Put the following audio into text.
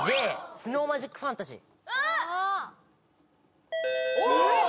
スノーマジックファンタジー